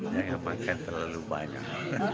jangan makan terlalu banyak